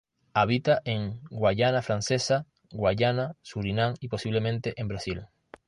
Habita en Guayana Francesa, Guayana, Surinam y posiblemente en Brasil.